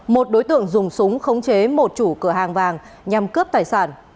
một đối tượng dùng súng khống chế một chủ cửa hàng vàng nhằm cướp tài sản